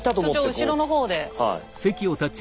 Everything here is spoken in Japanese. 所長後ろの方で。